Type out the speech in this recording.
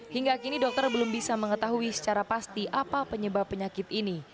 hingga kini dokter belum bisa mengetahui secara pasti apa penyebab penyakit ini